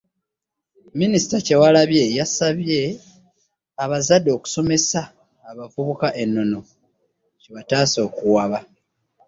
Minisita Kyewalabye asabye abazadde okusomesa abavubuka ennono kibataase okuwaba.